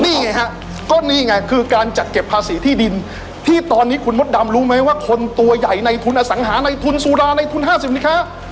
นี่ไงฮะก็นี่ไงคือการจัดเก็บภาษีที่ดินที่ตอนนี้คุณมดดำรู้ไหมว่าคนตัวใหญ่ในทุนอสังหาในทุนสุราในทุนห้าสิบสินค้า